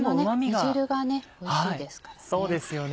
この煮汁がおいしいですからね。